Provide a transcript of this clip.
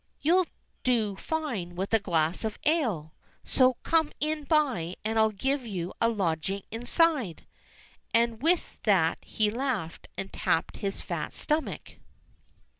You'll do fine with a glass of ale ! So come in by and I'll give you a lodging inside." And with that he laughed, and tapped his fat stomach.